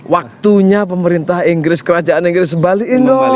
waktunya pemerintah inggris kerajaan inggris sebalikin dong